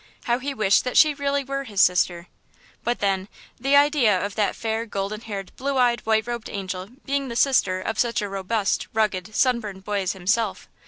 How he wished that she really were his sister! But, then, the idea of that fair, golden haired, blue eyed, white robed angel being the sister of such a robust, rugged, sunburned boy as himself!